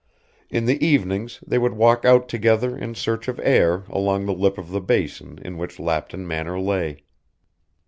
In the evenings they would walk out together in search of air along the lip of the basin in which Lapton Manor lay.